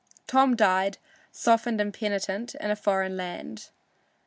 Tom died, softened and penitent, in a foreign land.